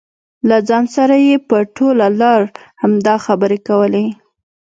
له ځان سره یې په ټوله لار همدا خبرې کولې.